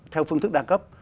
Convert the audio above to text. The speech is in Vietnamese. theo phương thức đa cấp